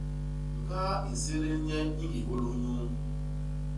Ñgaa i nsédél nye i ñgi hôlôs nyuu.